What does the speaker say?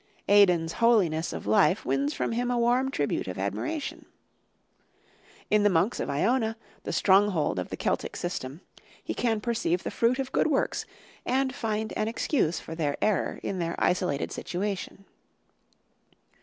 Aidan's holiness of life wins from him a warm tribute of admiration. In the monks of Iona, the stronghold of the Celtic system, he can perceive the fruit of good works and find an excuse for their error in their isolated situation.